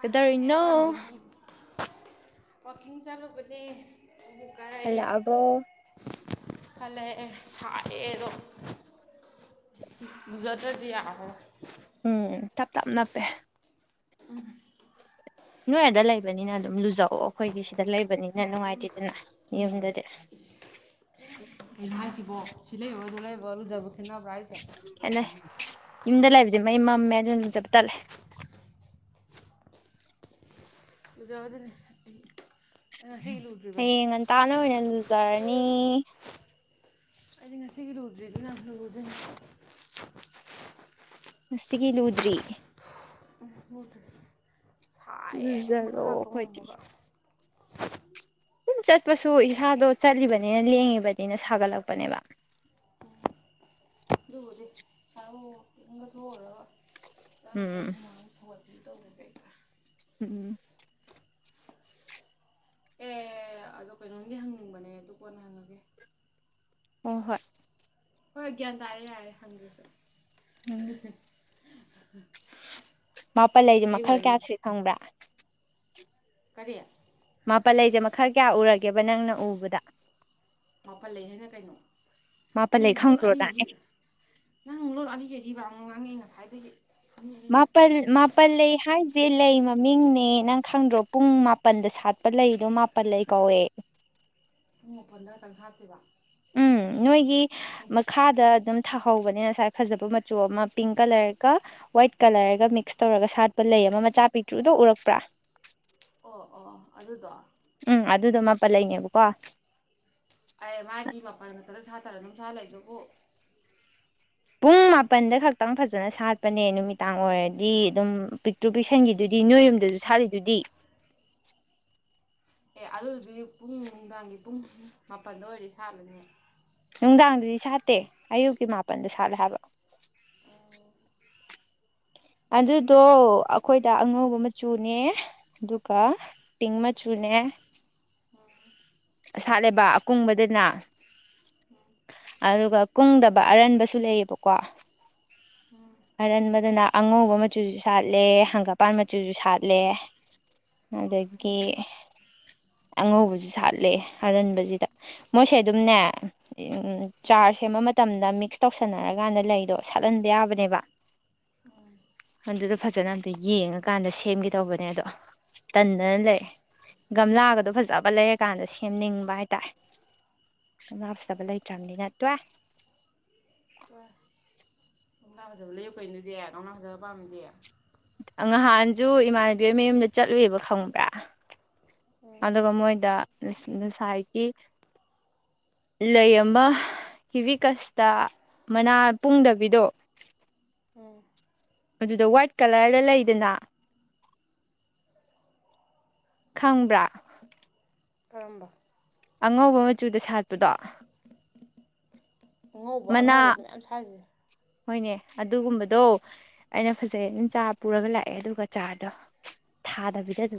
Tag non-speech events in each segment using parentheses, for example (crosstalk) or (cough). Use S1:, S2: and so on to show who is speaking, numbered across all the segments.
S1: ꯀꯗꯔꯣ ꯏꯟꯅꯣ
S2: ꯋꯥꯋꯥꯛꯀꯤꯡ ꯆꯥꯂꯨꯕꯅꯦ
S1: ꯍꯜꯂꯣ ꯑꯕꯣ
S2: ꯍꯜꯂꯛꯑ ꯑꯦ ꯁꯥꯏꯑꯦꯗꯣ ꯎꯖꯗ꯭ꯔꯗꯤ ꯌꯥꯔꯣꯏ
S1: ꯎꯝ ꯇꯞ ꯇꯞꯅꯞ ꯄꯦ
S2: ꯎꯝ
S1: ꯅꯣꯏ ꯑꯗ ꯂꯩꯕꯅꯤꯅ ꯑꯗꯨꯝ ꯂꯨꯖꯑꯣ ꯑꯩꯈꯣꯏꯒꯤ ꯁꯤꯗ ꯂꯩꯕꯅꯤꯅ ꯅꯨꯡꯉꯥꯏꯇꯦꯗꯅ ꯌꯨꯝꯗꯗꯤ
S2: ꯑꯩꯅ ꯍꯥꯏꯁꯤꯕꯣ ꯁꯤ ꯂꯩꯔꯗꯣ ꯂꯩ ꯣꯖꯕ
S1: ꯑꯦꯟꯅ ꯌꯨꯝꯗ ꯂꯩꯕꯗꯤ ꯃꯩ ꯃꯝꯃꯦ ꯑꯗꯨ ꯑꯗꯨꯝ ꯆꯞ ꯇꯠꯂꯦ
S2: ꯑꯗꯨ ꯌꯥꯎ ꯑꯗꯨꯅꯤ
S1: ꯍꯌꯦꯡ ꯉꯟꯇꯥꯅ ꯑꯣꯏꯅ ꯂꯨꯖꯔꯅꯤ
S2: ꯑꯩꯗꯤ ꯉꯁꯤꯒꯤ ꯔꯣꯗꯦ ꯑꯗꯨ ꯔꯨꯗꯅꯤ
S1: ꯃꯁꯒꯤ ꯂ ꯎꯗ꯭ꯔꯤ
S2: ꯍꯣꯗ
S1: ꯖꯔꯣꯑꯣ ꯑꯩꯈꯣꯏꯗꯤ ꯑꯗꯨꯨꯝ ꯆꯠꯄꯁꯨ ꯏꯁꯥꯗꯣ ꯆꯠꯂꯤꯕꯅꯤꯅ ꯂꯦꯡꯉꯤꯕꯅꯤꯅ ꯁꯥꯒꯠꯂꯛꯄꯅꯦꯕ
S2: ꯑꯗꯨꯔꯤ ꯊꯎ ꯏ ꯊꯣꯔ ꯇ ꯀ
S1: ꯎꯝ ꯎꯝ
S2: ꯀꯩꯅꯣꯝꯒꯤ ꯍꯪꯅꯤꯡꯕꯅꯦ ꯑꯗꯨ ꯀꯣꯟꯅ ꯍꯪꯉꯒꯦ
S1: ꯍ ꯍꯣꯏ
S2: ꯍꯣꯏ ꯇꯔꯦ ꯌꯥꯔꯦ ꯍ ꯁ
S1: ꯎꯝ
S2: ꯎ
S1: ꯃꯥꯄꯜ ꯂꯩꯗꯤ ꯃꯈꯜ ꯀꯌꯥ ꯁꯨꯏ ꯈꯪꯕ꯭ꯔꯥ
S2: ꯀꯔꯤꯌꯥ
S1: ꯃꯥꯄꯜ ꯂꯩꯁꯦ ꯃꯈꯜ ꯀꯌꯥ ꯎꯔꯒꯦꯕ ꯅꯪꯅ ꯎꯕꯗ
S2: ꯃꯥꯄꯜ ꯂꯩ ꯍꯥꯏꯅ ꯀꯩꯅꯣ ꯅꯪ
S1: ꯃꯥꯄꯜꯂꯩ
S2: ꯂꯣꯟ
S1: ꯈꯪꯕ꯭ꯔꯣ
S2: ꯑꯅꯤ
S1: ꯅꯪ
S2: ꯅꯪ ꯂꯣꯟ ꯑꯅꯤꯒꯤ ꯍꯤꯕ ꯉꯥꯡꯉꯦ ꯉꯁꯥꯏꯗꯒꯤ ꯃꯤ ꯑꯅꯤꯅ
S1: ꯃꯥꯄꯜ ꯃꯥꯄꯜꯂꯩ ꯍꯥꯏ ꯁꯦ ꯂꯩ ꯃꯃꯤꯡꯅꯦ ꯅꯪ ꯈꯪꯗ꯭ꯔꯣ ꯄꯨꯡ ꯃꯥꯄꯜꯗ ꯁꯥꯠꯄ ꯂꯩꯗꯣ ꯃꯥꯄꯜ ꯂꯩ ꯀꯧꯋꯦ
S2: ꯄꯨꯡ ꯃꯥꯄꯟꯗ ꯈꯛꯇꯪ ꯁꯥꯠꯇꯨꯏꯕ
S1: ꯎꯝ ꯅꯣꯏꯒꯤ ꯃꯈꯥꯗ ꯑꯗꯨꯝ ꯊꯥꯍꯧꯕꯅꯤ ꯉꯁꯥꯏ ꯐꯖꯕ ꯃꯆꯨ ꯑꯃ ꯄꯤꯡ ꯀꯂꯔꯒ ꯋꯥꯏꯠ ꯀꯂꯔꯒ ꯃꯤꯛꯁ ꯇꯧꯔꯒ ꯁꯥꯠꯄ ꯂꯩ ꯑꯃ ꯃꯆꯥ ꯄꯤꯛꯇ꯭ꯔꯨꯗꯣ ꯎꯔꯛꯄ꯭ꯔꯥ
S2: ꯑꯣ ꯑꯣ ꯑꯗꯨꯗꯣ
S1: ꯎꯝ ꯑꯗꯨꯗꯣ ꯃꯥꯄ ꯂꯩꯅꯦꯕꯀꯣ
S2: ꯈꯔ ꯅꯨꯡꯁꯥ ꯂꯩꯗꯨꯕꯨ
S1: ꯄꯨꯡ ꯃꯥꯄꯜꯗ ꯈꯛꯇꯪ ꯐꯖꯟꯅ ꯁꯥꯠꯄꯅꯦ ꯅꯨꯃꯤꯗꯥꯡ ꯑꯣꯏꯔꯗꯤ ꯑꯗꯨꯝ ꯄꯤꯛꯇ꯭ꯔꯨ ꯄꯤꯛꯁꯟꯈꯤꯗꯨꯗꯤ ꯅꯣꯏ ꯌꯨꯝꯗꯁꯨ ꯁꯥꯠꯂꯤꯗꯨꯗꯤ
S2: ꯑꯦ ꯑꯂꯨꯗꯤ ꯄꯨꯡ ꯅꯨꯡꯗꯥꯡꯒꯤ ꯄꯨꯡ ꯃꯥꯄꯜꯗ ꯑꯣꯏꯗꯤ ꯁꯥꯕꯅꯦ
S1: ꯅꯨꯡꯗꯥꯡꯗꯨꯗꯤ ꯁꯥꯠꯇꯦ ꯑꯌꯨꯛꯀꯤ ꯃꯥꯄꯜꯗ ꯁꯥꯠꯂꯦ ꯍꯥꯏꯕ
S2: ꯑ
S1: ꯑꯗꯨꯗꯣ ꯑꯩꯈꯣꯏꯗ ꯑꯉꯧꯕ ꯃꯆꯨꯅꯦ ꯑꯗꯨꯒ ꯄꯤꯡ ꯃꯆꯨꯅꯦ ꯁꯥꯠꯂꯦꯕ ꯑꯀꯨꯡꯕꯗꯅ ꯑꯗꯨꯒ ꯀꯨꯡꯗꯕ ꯑꯔꯟꯕꯁꯨ ꯂꯩꯌꯦꯕꯀꯣ
S2: ꯎꯝ
S1: ꯑꯔꯟꯕꯗꯅ ꯑꯉꯧꯕ ꯃꯆꯨꯁꯨ ꯁꯥꯠꯂꯦ ꯍꯪꯒꯠꯄꯥꯟ ꯃꯆꯨꯁꯨ ꯁꯥꯠꯂꯦ ꯑꯗꯒꯤ ꯑꯉꯧꯕꯁꯤ ꯁꯥꯠꯂꯦ ꯑꯟꯕꯁꯤꯗ ꯃꯣꯏꯁꯦ ꯑꯗꯨꯝꯅꯦ ꯆꯥꯔ ꯁꯦꯝꯕ ꯃꯇꯝꯗ ꯃꯤꯛꯁ ꯇꯧꯁꯟꯅꯔꯀꯥꯟꯗ ꯂꯩꯗꯣ ꯁꯥꯠꯍꯟꯕ ꯌꯥꯕꯅꯦꯕ
S2: ꯎꯝ ꯎꯝ
S1: ꯑꯗꯨꯗꯣ ꯐꯖꯟꯅ ꯑꯝꯇ ꯌꯦꯡꯉꯀꯥꯟꯗ ꯁꯦꯝꯒꯦꯗꯧꯕꯅꯦ ꯑꯗꯣ ꯇꯟꯗꯅ ꯂꯩꯔꯦ ꯒꯝꯂꯥꯒ ꯑꯗꯣ ꯐꯖꯕ ꯂꯩꯔꯀꯥꯟꯗ ꯁꯦꯝꯅꯤꯡꯕ ꯍꯥꯏꯇꯥꯔꯦꯅ ꯐꯖꯕ ꯂꯩꯇ꯭ꯔꯕꯅꯤ ꯇꯣꯛꯑꯦ
S2: ꯍ ꯀꯧꯅꯥ ꯐꯖꯕ ꯂꯩꯌ ꯀꯩꯅꯗꯤ ꯀꯧꯅꯥ ꯐꯖꯕ ꯄꯥꯝꯃꯤꯗꯤ
S1: ꯉꯍꯥꯟꯁꯨ ꯏꯃꯥꯟꯅꯕꯤ ꯃꯌꯨꯝꯗ ꯆꯠꯂꯨꯏꯕ ꯈꯪꯕ꯭ꯔꯥ
S2: ꯎꯝ
S1: ꯑꯗꯨꯒ ꯃꯣꯏꯗ ꯉꯁꯥꯏꯒꯤ ꯂꯩ ꯑꯃ ꯀꯤꯕꯤꯀꯁꯇ ꯃꯅꯥ ꯄꯨꯡꯗꯕꯤꯗꯣ
S2: ꯎꯝ
S1: ꯑꯗꯨꯗ ꯋꯥꯏꯠ ꯀꯂꯔꯗ ꯂꯩꯗꯅ ꯈꯪꯕ꯭ꯔꯥ
S2: ꯀꯔꯝꯕ
S1: ꯑꯉꯧꯕ ꯃꯆꯨꯗ ꯁꯥꯠꯄꯗꯣ
S2: ꯑꯉꯧꯕ
S1: ꯃꯅꯥ
S2: ꯑꯉꯧꯕꯗꯨꯅꯦ ꯃꯌꯥꯝ ꯁꯥꯏꯖꯦ
S1: ꯍꯣꯏꯅꯦ ꯑꯗꯨꯒꯨꯝꯕꯗꯣ ꯑꯩꯅ ꯐꯖꯩ ꯑꯗꯨꯝ ꯆꯥ ꯄꯨꯔꯒ ꯂꯥꯛꯑꯦ ꯑꯗꯨꯒ ꯆꯥꯗꯣ ꯊꯥꯗꯕꯤ ꯗ ꯑꯗꯨ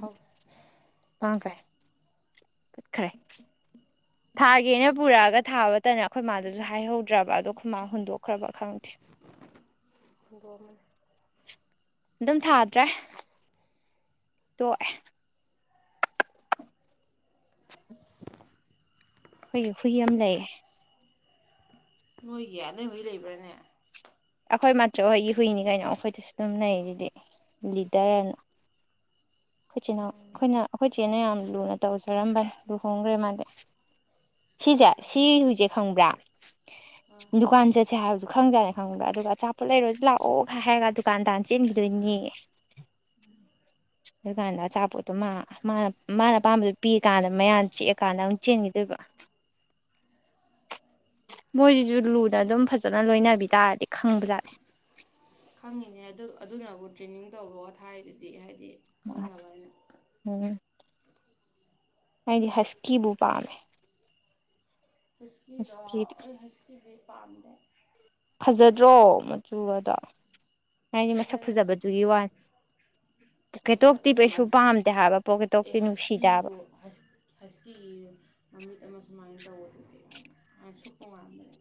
S1: ꯃꯥꯡꯈ꯭ꯔꯦ
S2: ꯄꯠꯈ꯭ꯔꯦ
S1: ꯄꯠꯈ꯭ꯔꯦ ꯊꯥꯒꯦꯅ ꯄꯨꯔꯛꯑꯒ ꯊꯥꯕꯇꯅ ꯑꯩꯈꯣꯏ ꯃꯥꯗꯨꯁꯨ ꯍꯥꯏꯍꯧꯗ꯭ꯔꯕ ꯑꯗꯣ ꯑꯩꯈꯣꯏ ꯃꯥ ꯍꯨꯟꯗꯣꯛꯈ꯭ꯔꯕ ꯈꯪꯗꯦ
S2: ꯍꯨꯟꯗꯣꯛꯑꯝꯕꯅꯤ
S1: ꯑꯗꯨꯝ ꯊꯥꯗ꯭ꯔꯦ ꯇꯣꯛꯑꯦ ꯑꯩꯈꯣꯏꯒꯤ ꯍꯨꯏ ꯑꯃ ꯂꯩꯌꯦ
S2: ꯅꯣꯏꯒꯤ ꯅꯣꯏ ꯍꯨꯏ ꯂꯩꯕ꯭ꯔꯥꯅꯦ
S1: ꯑꯩꯈꯣꯏ ꯃꯆꯧ ꯍꯣꯏꯒꯤ ꯍꯨꯏꯅꯤ ꯀꯩꯅꯣ ꯑꯩꯈꯣꯏꯗꯁꯨ ꯑꯗꯨꯝ ꯂꯩ ꯑꯗꯨꯗꯤ ꯂꯤꯗꯔꯅ ꯑꯩꯈꯣꯏ ꯏꯆꯤꯅꯥꯎ
S2: ꯎꯝ
S1: ꯑꯩꯈꯣꯏꯅ ꯑꯩꯈꯣꯏ ꯏꯆꯦꯅ ꯌꯥꯝ ꯂꯨꯅ ꯇꯧꯖꯔꯝꯕꯅꯦ ꯂꯨꯍꯣꯡꯈ꯭ꯔꯦ ꯃꯥꯜꯂꯦ ꯁꯤꯁꯦ ꯁꯤ ꯍꯨꯏꯖꯦ ꯈꯪꯕ꯭ꯔꯥ
S2: ꯑꯥ
S1: ꯗꯨꯀꯥꯟ ꯆꯠꯁꯦ ꯍꯥꯏꯔꯁꯨ ꯈꯪꯖꯥꯠꯅꯦ ꯈꯪꯕ꯭ꯔꯥ ꯑꯗꯨꯒ ꯑꯆꯥꯄꯣꯠ ꯂꯩꯔꯣꯁꯨ ꯂꯥꯛꯑꯣ ꯍꯥꯏꯔꯒ ꯗꯨꯀꯥꯟꯗꯥꯥꯟ ꯆꯦꯟꯈꯤꯗꯣꯏꯅꯤ ꯑꯗꯨꯀꯥꯟꯗ ꯑꯆꯥꯄꯣꯠꯇꯣ ꯃꯥ ꯃꯥꯅ ꯃꯥꯅ ꯑꯄꯥꯝꯕꯗꯨꯣ ꯄꯤꯔꯀꯥꯟꯗ ꯃꯌꯥꯌꯥꯝ ꯆꯤꯛꯑꯀꯥꯟꯗ ꯑꯃꯨꯛ ꯆꯦꯟꯈꯤꯗꯣꯏꯕ ꯃꯣꯏꯁꯤꯁꯨ ꯂꯨꯅ ꯑꯗꯨꯝ ꯐꯖꯅ ꯂꯣꯏꯅꯕꯤ ꯇꯥꯔꯗꯤ ꯈꯪꯕꯖꯥꯠꯂꯦ
S2: ꯈꯪꯉꯤꯅꯦ ꯑꯗꯨꯅꯕꯨ ꯇ꯭ꯔꯦꯅꯤꯡ ꯇꯧꯕ ꯋꯥ ꯊꯥꯏꯔꯤꯗꯨꯗꯤ ꯍꯥꯏ
S1: ꯃꯅꯦ ꯎꯝ ꯑꯩꯗꯤ ꯍꯁꯀꯤꯕꯨ ꯄꯥꯝꯃꯦ
S2: ꯍꯁꯀꯤꯗꯣ ꯑꯩ ꯍꯧ ꯄꯥꯝꯗ
S1: ꯐꯖꯗ꯭ꯔꯣ ꯃꯆꯨꯒꯗ
S2: ꯐꯖꯩꯁꯛ
S1: ꯄꯣꯀꯦꯇꯣꯛꯇꯤ ꯀꯩꯁꯨ ꯄꯥꯝꯗꯦ ꯍꯥꯏꯕ ꯄꯣꯀꯦꯇꯣꯛꯇꯤ ꯅꯨꯡꯁꯤꯗꯦ ꯍꯥꯏꯕ
S2: ꯍꯁꯕꯨ ꯍꯁꯀꯤꯒꯤ ꯃꯃꯤꯠ ꯑꯃ ꯁꯨꯃꯥꯏꯅ ꯁꯄꯃꯗ (unintelligible)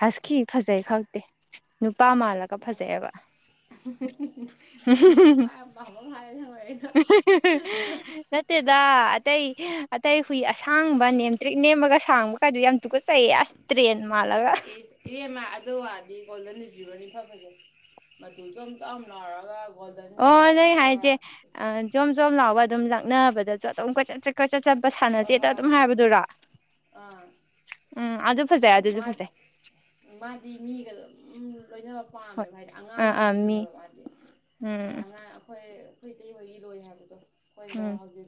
S1: ꯍꯁꯈꯤ ꯐꯖꯩ ꯈꯪꯇꯦ ꯅꯨꯄꯥ ꯃꯥꯜꯂꯒ
S2: ꯅꯪ
S1: ꯐꯖꯩꯑꯦꯕ
S2: ꯅꯪꯁꯦ ꯅꯨꯄꯥ ꯌꯥꯝ ꯄꯥꯝꯕ ꯃꯥꯜꯂꯦ ꯅꯪ ꯑꯣꯏꯔꯤꯗꯣ
S1: ꯅꯠꯇꯦꯗ ꯑꯇꯩ ꯑꯇꯩ ꯍꯨꯏ ꯑꯁꯥꯡꯕ ꯅꯦꯝꯇ꯭ꯔꯤꯛ ꯅꯦꯝꯃꯒ ꯁꯥꯡꯕ ꯀꯩ ꯌꯥꯝ ꯇꯨ ꯀꯁ ꯑꯁꯇ꯭ꯔꯤꯅ ꯃꯥꯂꯒ
S2: ꯑꯦ ꯏꯕꯦꯝꯃ ꯑꯗꯨ ꯑꯣꯏꯔꯗꯤ ꯀꯣꯣꯟꯗ ꯨ꯭ꯕꯅꯤ ꯊꯝ ꯐꯁꯦ ꯃꯗꯨꯗꯣ ꯑꯃꯇ ꯑꯃ ꯂꯥꯎꯔꯒ
S1: ꯑꯣ ꯅꯣꯏ ꯍꯥꯏꯁꯦ ꯑ ꯖꯣꯝ ꯖꯣꯝ ꯂꯥꯎꯕ ꯑꯗꯨꯝ ꯂꯥꯛ ꯅꯕꯗꯥ ꯆ ꯆ ꯆꯠ ꯆꯠꯄ
S2: ꯍꯣꯏ
S1: ꯁꯥꯟꯅꯖꯦꯗ
S2: ꯍꯣꯏ
S1: ꯑꯗꯨꯝ ꯍꯥꯏꯕꯗꯨꯔ
S2: ꯑꯥ
S1: ꯎꯝ ꯐꯖꯩ ꯑꯗꯨꯁꯨ
S2: ꯃꯥ
S1: ꯐꯖꯩ
S2: ꯃꯥꯗꯤ ꯃꯤꯒꯂ ꯂꯣꯏꯅꯕ
S1: ꯍꯣꯏ
S2: ꯄꯥꯝꯃꯦꯕ ꯍꯥꯏꯗꯤ
S1: ꯑꯥ
S2: ꯑꯉꯥꯡꯒꯤ
S1: ꯑꯥ ꯃꯤ
S2: ꯍꯨꯏꯅꯦꯕ ꯃꯥꯗꯤ
S1: ꯎꯝ
S2: ꯑꯉꯥꯡ ꯑꯩꯈꯣꯏ ꯈꯣꯏ ꯑꯣꯏ ꯔꯣ ꯍꯥꯏꯗꯣ ꯍꯈꯣꯏꯗ
S1: ꯎꯝ
S2: ꯍꯧꯖꯤ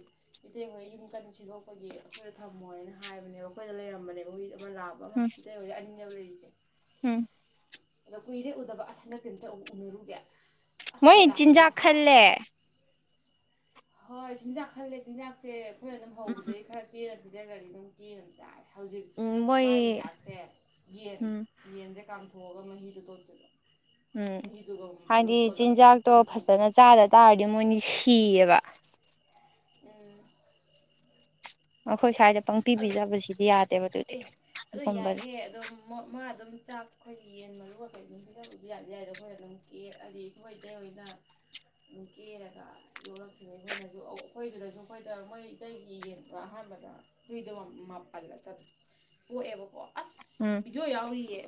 S2: ꯏꯊꯦꯡꯈ ꯌꯨꯝ ꯀꯟ ꯁꯤꯗꯣꯛꯄꯒꯤ ꯑꯩꯈꯣꯏꯗ ꯊꯝꯃꯣ ꯍꯥꯏꯅ ꯍꯥꯏꯕꯅꯦꯕ ꯑꯩꯈꯣꯏꯗ ꯂꯩꯔꯝꯕꯅꯦꯕ ꯑꯩꯈꯣꯏꯗ ꯃꯥꯕ
S1: ꯎꯝ ꯎꯝ
S2: ꯑꯗꯨ ꯑꯣꯏ ꯑꯅꯤꯕ ꯂꯩꯗꯤ
S1: ꯎꯝ
S2: ꯀꯨꯏꯔꯦꯎꯗꯕ ꯑꯁꯟꯗ ꯀꯝꯇ ꯑꯃꯨꯛ ꯎꯅꯔꯨꯒꯦ
S1: ꯃꯣꯏ
S2: ꯑꯩꯈꯣꯏ ꯂꯥꯛꯄꯁꯤꯗ
S1: ꯆꯤꯟꯖꯥꯛ
S2: ꯍꯔꯥꯎ
S1: ꯈꯜꯂꯦ
S2: ꯍꯣꯏ ꯆꯤꯟꯗ ꯈꯜꯦ ꯤꯟꯦ ꯑꯩꯈꯣꯏ ꯑꯗꯨꯝ
S1: ꯎꯝ
S2: ꯍꯧꯗꯩ ꯈꯔ ꯆꯦꯔ ꯐꯤꯗꯒꯗꯤ ꯑꯗꯨꯝ ꯀꯦꯅ ꯆꯥꯔꯦ ꯍꯧꯖꯤꯛ
S1: ꯎꯝ
S2: ꯃꯥꯏꯒꯤ
S1: ꯃꯣꯏ
S2: ꯆꯥꯛꯁꯦ ꯌꯦꯟ
S1: ꯎꯝ
S2: ꯌꯦꯟꯁꯦ ꯀꯝ ꯒ ꯃ ꯍꯔ ꯊꯔꯇꯒ
S1: ꯎꯝ ꯍꯥꯏꯗꯤ ꯆꯤꯟꯖꯥꯛꯇꯣ
S2: ꯆꯝꯊꯣꯡ
S1: ꯐꯖꯅ ꯆꯥꯗ ꯇꯥꯔꯗꯤ ꯃꯣꯏꯅꯤ ꯀꯤꯌꯦꯕꯥ
S2: ꯎꯝ
S1: ꯑꯣꯈꯣꯏ ꯁꯥꯏꯗ ꯄꯪꯇꯤ
S2: ꯑꯗꯣ
S1: ꯄꯤꯖꯕꯁꯤꯗꯤ ꯌꯥꯔꯦ
S2: ꯑꯦ ꯑꯗꯨꯣ ꯌꯥꯏꯍꯦ ꯑꯗꯨꯝ ꯃꯥ ꯑꯗꯨꯝ ꯆꯥꯛ ꯑꯩꯈꯣꯏꯒꯤ ꯌꯦꯟ ꯃꯔꯨꯒ ꯀꯩ ꯅꯨꯡꯁꯤꯗꯕꯗꯤ ꯌꯥꯗꯤ ꯌꯥꯏꯗꯦ ꯑꯩꯈꯣꯏꯅ ꯑꯗꯨꯝ ꯀꯦ ꯍꯥꯏꯗꯤ ꯑꯩꯈꯈꯣꯏ ꯏꯇꯩ ꯑꯣꯏꯅ ꯑꯗꯨꯝ ꯀꯦꯔꯒ ꯌꯣꯛꯂꯛꯈꯤꯕꯅꯤ ꯑꯩꯈꯣꯏꯅꯁꯨ ꯑꯩꯈꯣꯏꯗꯨꯗꯁꯨ ꯑꯩꯈꯣꯏꯗ ꯃꯣꯏ ꯏꯇꯩꯒꯤ ꯌꯦꯟꯗ ꯑꯍꯥꯟꯕꯗ ꯍꯨꯏꯗꯕ ꯃꯥꯄꯜꯂꯛꯇꯕ ꯑꯣ ꯑꯦꯕ ꯀꯣ ꯑꯁ
S1: ꯎꯝ
S2: ꯕꯤꯖꯣ ꯌꯥꯎꯔꯤꯌꯦ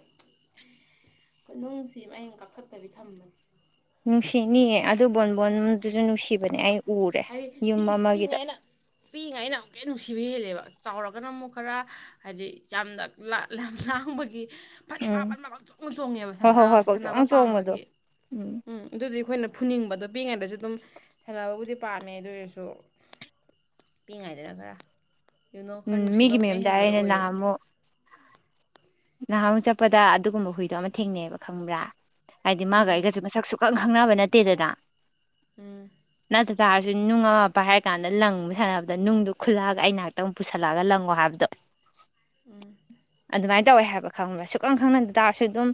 S2: ꯣꯏ ꯅꯨꯡꯁꯤ ꯃꯌꯦꯡ ꯀꯥꯊꯛꯇꯕꯤ ꯊꯝꯕꯅꯤ
S1: ꯅꯨꯡꯁꯤꯅꯤꯌꯦꯦ ꯑꯗꯨ ꯃꯗꯨꯁꯨ ꯅꯨꯡꯁꯤꯕꯅꯦ ꯑꯩ ꯎꯔꯦ ꯌꯨꯝ ꯑꯃꯒꯤꯗ
S2: ꯄꯤꯛꯏꯉꯥꯏꯩꯅ ꯑꯃꯨꯛꯀꯩ ꯅꯨꯡꯁꯤꯕ ꯍꯦꯜꯂꯦꯕ ꯆꯥꯎꯔꯒꯅ ꯑꯃꯨꯛ ꯈꯔ ꯍꯥꯏꯗꯤ ꯌꯥꯝꯅ ꯂꯝ ꯁꯥꯡꯕꯒꯤ ꯐꯟ ꯐꯥ
S1: ꯎꯝ
S2: ꯐꯟ ꯑꯃꯀꯛ ꯆꯣꯡꯅ ꯆꯣꯡꯉꯦꯕ
S1: ꯍꯣꯏ ꯍꯣꯏ ꯍꯣꯏ
S2: ꯁꯥꯟꯅꯕ
S1: ꯀꯣꯛꯆꯣꯡ ꯆꯣꯡꯕꯗꯣ
S2: ꯄꯥꯝꯕꯒꯤ ꯎꯝ ꯑꯗꯨꯗꯤ ꯑꯩꯈꯣꯏꯅ ꯐꯨꯅꯤꯡꯕꯗꯣ ꯄꯛꯉꯩꯗꯁꯨ ꯑꯗꯨꯝ ꯁꯥꯟꯅꯕꯕꯨꯗꯤ ꯄꯥꯝꯃꯦ ꯑꯗꯨꯔꯁꯨ ꯄꯤꯛꯉꯥꯏꯗꯅ ꯈꯔ ꯌꯨꯅꯣ ꯈꯔ
S1: ꯎꯝ
S2: ꯅꯨꯡꯁꯤꯕ
S1: ꯃꯤꯒꯤ
S2: ꯑꯃꯨꯛꯀ
S1: ꯃꯌꯨꯝꯗ
S2: ꯍꯦꯟꯕꯗꯣ
S1: ꯑꯩꯅ
S2: ꯑꯣꯏꯌꯦꯕ
S1: ꯅꯍꯥꯟꯃꯨꯛ ꯅꯍꯥꯟ ꯆꯠꯄꯗ ꯑꯗꯨꯒꯨꯝꯕ ꯍꯨꯏꯗꯣ ꯑꯃ ꯊꯦꯡꯅꯩꯑꯕ ꯈꯪꯕ꯭ꯔꯥ ꯍꯥꯏꯗꯤ ꯃꯥꯒ
S2: ꯎꯝ
S1: ꯑꯩꯒꯁꯦ ꯃꯁ ꯁꯁꯨꯨꯛ ꯈꯪꯅꯕ ꯅꯠꯇꯦꯗꯗꯥ
S2: ꯑꯦꯝ
S1: ꯆꯥꯔꯁꯨ ꯅꯨꯡ ꯑꯃ ꯄꯥꯏ ꯍꯥꯏꯔ ꯀꯥꯟꯗ ꯂꯪ ꯁꯥꯟꯅꯕꯗ ꯅꯨꯡꯗ ꯈꯨꯜꯂꯛꯑꯒ ꯑꯩ ꯉꯥꯏꯍꯥꯛꯇꯪ ꯄꯨꯁꯜꯂꯛꯑꯒ ꯂꯪꯉꯣ ꯍꯥꯏꯕꯗꯣ
S2: ꯎꯝ
S1: ꯑꯗꯨꯃꯥꯏꯅ ꯇꯧꯋꯦ ꯍꯥꯏꯕ ꯈꯪꯕ ꯁꯨꯛꯈꯪ ꯈꯪꯅꯗ ꯇꯥꯔꯁꯨ ꯑꯗꯨꯝ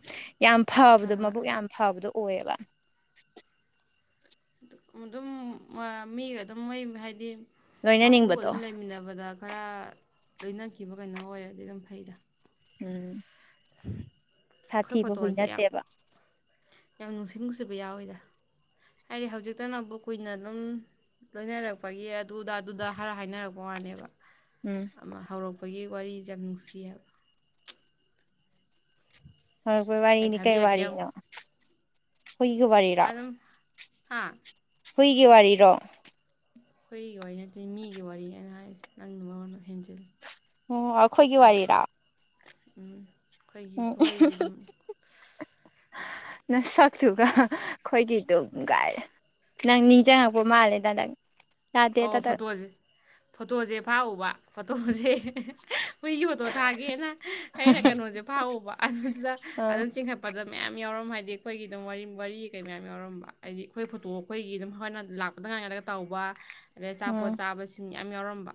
S1: ꯌꯥꯝ
S2: ꯍꯣꯏ
S1: ꯐꯕꯗꯣ
S2: ꯍꯣꯏ
S1: ꯃꯕꯨꯛ ꯌꯥꯝ ꯐꯕꯗꯣ ꯑꯣ ꯑꯣꯏ
S2: ꯑꯗꯨꯝ ꯃꯤꯒ ꯑꯗꯨꯝ ꯃꯣꯏ ꯍꯥꯏꯗꯤ ꯃꯄꯨꯒ
S1: ꯂꯣꯏꯅꯅꯤꯡꯕꯗꯣ
S2: ꯑꯗꯨꯝ ꯂꯩꯃꯤꯟꯅꯕꯗ ꯈꯔ ꯂꯣꯏꯅꯈꯤꯕ ꯀꯩꯅꯣ ꯑꯣꯏꯔꯗꯤ ꯑꯗꯨꯝ ꯐꯩꯗ
S1: ꯎꯝ
S2: ꯑꯩꯈꯣꯏ
S1: ꯁꯥꯊꯤꯕ ꯍꯨꯏ
S2: ꯐꯣꯇꯣꯁꯦ ꯌꯥꯝ
S1: ꯅꯠꯇꯦꯕ
S2: ꯌꯥꯝ ꯅꯨꯡꯁꯤ ꯅꯨꯡꯁꯤꯕ ꯌꯥꯎꯋꯤꯗ ꯍꯥꯏꯗꯤ ꯍꯧꯖꯤꯛꯇꯅ ꯑꯃꯕꯨꯛ ꯀꯨꯏꯅ ꯑꯗꯨꯝ ꯂꯣꯏꯅꯔꯛꯄꯒꯤ ꯗꯨꯗꯥ ꯗꯨꯗꯥ ꯍꯔ ꯍꯥꯏꯅꯔꯛ ꯃꯕꯅꯦꯕ
S1: ꯎꯝ
S2: ꯑꯃ ꯍꯧꯔꯛꯄꯒꯤ ꯋꯥꯔꯤ ꯌꯥꯝ ꯅꯨꯡꯁꯤꯌꯦꯕ
S1: ꯍꯣꯏ
S2: ꯑꯩ
S1: ꯋꯥꯔꯤꯅꯤ ꯀꯩ
S2: ꯊꯥꯕꯤꯔꯛꯀꯦ ꯑꯃꯨꯛ
S1: ꯋꯥꯔꯤꯅꯣ ꯍꯨꯏꯒ ꯋꯥꯔꯤꯔꯥ
S2: ꯍꯥꯥ
S1: ꯍꯨꯏꯒꯤ ꯋꯥꯔꯤꯔꯣ
S2: ꯑꯩꯈꯣꯏꯒꯤ ꯋꯥꯔꯤ ꯅꯠꯇꯦ ꯃꯤꯒꯤ ꯋꯥꯔꯤꯅꯦꯅ ꯍꯥꯏꯁ ꯅꯪꯒꯤ ꯃꯔꯣꯟ ꯍꯦꯟꯖꯤꯜꯂꯤ
S1: ꯑꯣ ꯑꯩꯈꯣꯏꯒꯤ ꯋꯥꯔꯤꯔꯥ
S2: ꯎꯝ ꯑꯩꯈꯣꯏꯒꯤ ꯑꯩꯣꯏꯒꯤ ꯑꯗꯨꯝ
S1: ꯅꯪ ꯁꯛꯇꯨꯒ ꯑꯩꯈꯣꯏꯒꯤ ꯑꯗꯨꯝ ꯅꯪ ꯅꯤꯡꯁꯤꯡꯉꯛꯄ ꯃꯥꯜꯂꯦꯗ ꯅꯪ ꯌꯥꯗꯦ
S2: ꯑꯣ
S1: ꯇꯗꯛ
S2: ꯐꯣꯇꯣꯁꯦ ꯐꯣꯇꯣꯁꯦ ꯐꯥꯛꯎꯕ ꯐꯣꯇꯣꯁꯦ ꯃꯣꯏ ꯌꯣꯇꯣ ꯊꯥꯒꯦꯅ ꯑꯩꯅ ꯀꯩꯅꯣꯁꯦ ꯐꯥ ꯎꯕ ꯑꯗꯨꯗꯨꯗ
S1: ꯑꯥ
S2: ꯑꯗꯨꯝ ꯆꯤꯡꯈꯠꯄꯗ ꯃꯌꯥꯝ ꯌꯥꯎꯔꯝꯕ ꯍꯥꯏꯗꯤ ꯑꯩꯈꯣꯏꯒꯤ ꯑꯗꯨꯝ ꯋꯥꯔꯤ ꯀꯩ ꯃꯌꯥꯝ ꯌꯥꯎꯔꯝꯕ ꯍꯥꯏꯗꯤ ꯑꯩꯈꯣꯏ ꯐꯣꯇꯣ ꯑꯩꯈꯣꯏꯒꯤ ꯑꯗꯨꯝ ꯍꯣꯏꯅ ꯂꯥꯛꯄꯗ ꯉꯥꯏꯅꯗꯒ ꯇꯧꯕ ꯑꯗꯩ ꯑꯆꯥꯄꯣꯠ
S1: ꯎꯝ
S2: ꯆꯥꯕꯁꯤꯡ ꯌꯥꯝ ꯌꯥꯎꯔꯝꯕ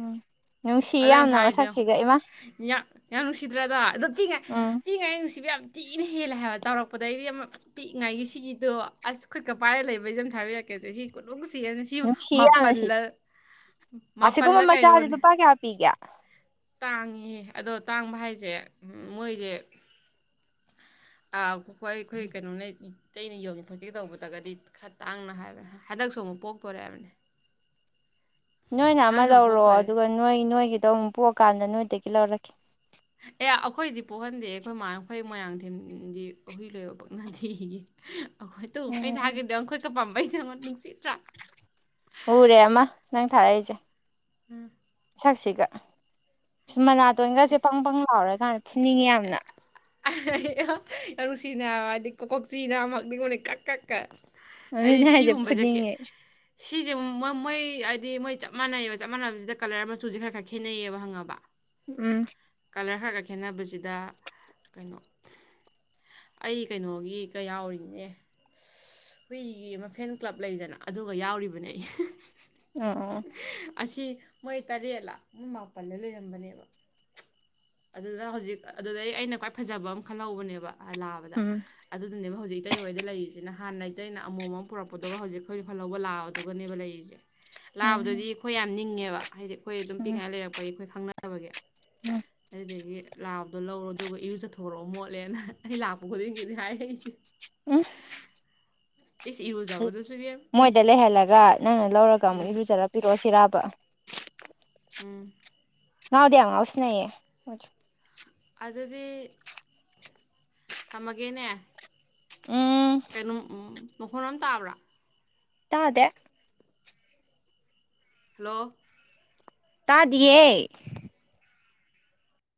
S1: ꯎꯝ ꯅꯨꯡꯁꯤ
S2: ꯑꯗꯣ ꯑꯩꯅ
S1: ꯌꯥꯝꯅ
S2: ꯊꯥꯔꯤꯗꯣ ꯌꯦꯡꯉꯣ
S1: ꯃꯁꯛꯁꯤꯒ ꯏꯃꯥ
S2: ꯌꯥꯝ ꯅꯨꯡꯁꯤꯗ꯭ꯔ ꯑꯗꯣ ꯑꯗꯨ ꯄꯤꯛꯏꯉꯥꯏ
S1: ꯎꯝ
S2: ꯄꯤꯛꯏꯉꯥꯏ ꯅꯨꯡꯁꯤꯕ ꯌꯥꯝ ꯊꯤꯅ ꯍꯦꯜꯂꯦ ꯍꯥꯏꯕ ꯆꯥꯎꯔꯛꯄꯗꯩꯗꯤ ꯑꯃ ꯄꯤꯛꯏꯉꯥꯏꯒꯤ ꯁꯤꯒꯤꯗꯣ ꯑꯁ ꯈꯨꯠꯀ ꯄꯥꯏꯔꯒ ꯂꯩꯕꯩꯁꯨꯝ ꯊꯥꯕꯤꯔꯛꯀꯦꯁꯦ ꯁꯤ ꯈꯨꯅꯨꯡꯁꯤ (unintelligible) ꯁꯤ
S1: ꯁꯤ ꯌꯥꯝꯅ ꯁꯤ
S2: ꯃꯥꯄꯜꯂ
S1: ꯑꯁꯤꯒꯨꯝꯕ
S2: ꯃꯥꯄꯜꯂ
S1: ꯃꯆꯥꯁꯤ ꯂꯨꯄꯥ ꯀꯌꯥ ꯄꯤꯒꯦ
S2: ꯇꯥꯡꯉꯤꯍꯦ ꯑꯗꯣ ꯇꯥꯡꯕ ꯍꯥꯏꯁꯦ ꯃꯣꯏꯁꯦ ꯑ ꯈꯣꯏ ꯑꯩꯈꯣꯏ ꯀꯩꯅꯣ ꯂꯩ ꯑꯇꯩꯩꯅ ꯌꯣꯟꯂꯤ ꯈꯣꯠꯒꯦ ꯇꯧꯕꯗꯒꯗꯤ ꯈꯔ ꯇꯥꯡꯅ ꯍꯥꯏꯕ ꯍꯟꯗꯛꯁꯨ ꯑꯃꯨꯛ ꯄꯣꯛꯇꯣꯔꯦ ꯍꯥꯏꯕꯅꯤ
S1: ꯅꯣꯏꯅ ꯑꯃ ꯂꯧꯔꯣ ꯑꯗꯨꯒ ꯅꯣꯏ ꯅꯣꯏꯒꯤꯗꯣ ꯑꯃꯨꯛ ꯄꯣꯛꯑꯀꯥꯟꯗ ꯅꯣꯏꯗꯒꯤ ꯂꯧꯔꯈꯤ
S2: ꯀ ꯑꯩꯈꯣꯏꯗꯤ ꯄꯣꯛꯍꯟꯗꯦ ꯑꯩꯈꯣꯏ ꯃꯥꯈꯣꯏ ꯃꯣꯏꯔꯥꯡꯊꯦꯝꯗꯤ ꯍꯨꯏ ꯂꯣꯏꯕ ꯄꯛꯅꯗꯦꯌꯦ (unintelligible) ꯇꯨ ꯑꯩꯩ
S1: ꯎꯝ
S2: ꯊꯥꯒ꯭ꯔꯤꯗꯣ ꯌꯦꯡꯉꯨ ꯈꯨꯠ ꯄꯝꯕꯩ ꯁꯦ ꯌꯦꯡꯉꯨ ꯅꯨꯡꯁꯤꯗ꯭ꯔꯥ
S1: ꯎꯔꯦ ꯑꯃ ꯅꯪ ꯊꯥꯔꯛꯏꯁꯦ ꯁꯛꯁꯤꯒ ꯃꯅꯥꯇꯣꯟꯒꯁꯦ ꯄꯪ ꯄꯪ ꯂꯥꯎꯔ ꯀꯥꯟ ꯐꯨꯅꯤꯡꯉꯤ ꯌꯥꯝꯅ
S2: ꯑꯔꯨꯁꯤꯅ ꯍꯥꯏꯗꯤ ꯀꯣꯀꯣꯛ ꯆꯤꯅ ꯃꯤꯉꯣꯅꯤ ꯀꯛ ꯀꯛ ꯀꯛ
S1: ꯑꯗꯨꯅꯦ ꯍꯥꯏꯖꯦ ꯐꯨꯅꯤꯡꯉꯦ
S2: ꯁꯤꯁꯦ ꯃꯣꯏ ꯃꯣꯏ ꯍꯥꯏꯗꯤ ꯃꯣꯏ ꯆꯞ ꯃꯥꯟꯅꯩꯕ ꯆꯞ ꯃꯥꯟꯅꯕꯁꯤꯗ ꯀꯂꯔ ꯃꯆꯨꯁꯦ ꯈꯔ ꯈꯔ ꯈꯦꯠꯅꯩꯌꯦꯕ ꯍꯪꯉꯕ
S1: ꯎꯝ
S2: ꯀꯂꯔ ꯈꯔꯒ ꯈꯦꯠꯅꯕꯁꯤꯗ ꯀꯩꯅꯣ ꯑꯩ ꯀꯩꯅꯣꯒꯤꯒ ꯌꯥꯎꯔꯤꯅꯦ ꯍꯨꯏꯒꯤ ꯃꯐꯦꯟ ꯀ꯭ꯂꯕ ꯂꯩꯗꯅ ꯑꯗꯨꯒ ꯌꯥꯎꯔꯤꯕꯅꯦ ꯑꯩ
S1: ꯑ ꯑ ꯑ
S2: ꯑꯁꯤ ꯃꯣꯏ ꯇꯔꯦꯂꯥ ꯃꯣꯏ ꯃꯥꯄꯜꯂ ꯂꯩꯔꯝꯕꯅꯦꯕ ꯑꯗꯨꯗ ꯍꯧꯖꯤꯛ ꯑꯗꯨꯗꯩ ꯑꯩꯅ ꯈ꯭ꯋꯥꯏ ꯐꯖꯕ ꯑꯃ ꯈꯜꯍꯧꯕꯅꯦꯕ ꯂꯥꯕꯗ
S1: ꯎꯝ
S2: ꯑꯗꯨꯗꯨꯅꯦꯕ ꯍꯧꯖꯤꯛ ꯏꯇꯩ ꯍꯣꯏꯗ ꯂꯩꯔꯤꯁꯤꯅ ꯍꯥꯟꯅ ꯏꯇꯩꯅ ꯑꯃꯣꯝ ꯑꯃ ꯄꯨꯔꯛꯄꯗꯨꯒ ꯍꯧꯖꯤꯛ ꯑꯩꯈꯣꯏ ꯈꯜꯍꯧꯕ ꯂꯥꯕꯗꯨꯒꯅꯦꯕ ꯂꯩꯔꯤꯁꯦ ꯂꯥꯕꯗꯨꯗꯤ
S1: ꯎꯝ
S2: ꯑꯩꯈꯣꯏ ꯌꯥꯝ ꯅꯤꯡꯉꯦꯕ ꯍꯥꯏꯗꯤ ꯑꯩꯈꯣꯏ ꯑꯗꯨꯝ
S1: ꯎꯝ
S2: ꯄꯤꯛꯅꯤꯉꯥꯏ ꯂꯩꯔꯛꯄꯒꯤ ꯑꯩꯈꯣꯏ ꯈꯪꯅꯕꯒꯤ
S1: ꯎꯝ
S2: ꯑꯗꯨꯗꯒꯤ ꯂꯥꯛꯕꯗꯣ ꯂꯧꯔꯣ ꯑꯗꯨꯒ ꯏꯔꯨ ꯆꯠꯊꯣꯔꯛꯑꯣ ꯃꯣꯠꯂꯦꯅ ꯑꯩ ꯂꯥꯛꯄ ꯈꯨꯗꯤꯡꯒꯤꯅꯤ ꯍꯥꯏ ꯑꯩꯁꯦ
S1: ꯎꯝ
S2: ꯏꯔꯨꯖꯕꯗꯨꯁꯨ ꯏꯕꯦꯝ
S1: ꯃꯣꯏꯗ ꯂꯩꯍꯜꯂꯒ ꯅꯪꯅ ꯂꯧꯔꯒ ꯑꯃꯨꯛ
S2: ꯎꯝ
S1: ꯏꯔꯨꯖꯔ ꯄꯤꯔꯛꯑꯣ ꯁꯤꯔꯥꯕ
S2: ꯎꯝ
S1: ꯉꯎꯗꯉ ꯍꯧꯁꯅꯌꯦꯦ
S2: ꯑꯗꯨꯗꯤ ꯊꯝꯃꯒꯦꯅꯦ
S1: ꯎꯝ
S2: ꯀꯩꯅꯣ ꯃꯈꯣꯟꯣꯝ ꯇꯥꯕ꯭ꯔꯥ
S1: ꯇꯗꯦ
S2: ꯍꯜꯂꯣ
S1: ꯇꯥꯗꯦ